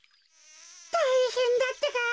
たいへんだってか。